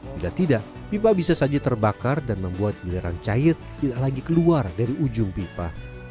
bila tidak pipa bisa saja terbakar dan membuat belerang cair tidak lagi keluar dari ujung pipa